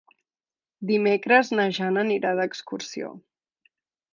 Dimecres na Jana anirà d'excursió.